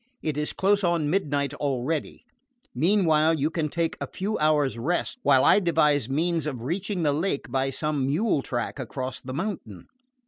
It is close on midnight already. Meanwhile you can take a few hours' rest while I devise means of reaching the lake by some mule track across the mountain."